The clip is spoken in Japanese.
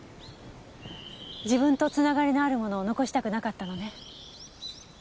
自分と繋がりのあるものを残したくなかったのね。